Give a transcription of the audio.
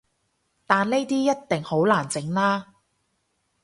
但呢啲一定好難整喇